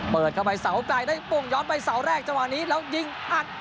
เปิดเข้าไปเสาไกลได้ปุ้งย้อนไปเสาแรกจังหวะนี้แล้วยิงอัด